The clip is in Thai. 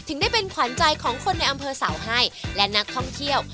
ถึงได้เป็นขวัญใจของคนในอำเภอเสาให้และนักท่องเที่ยว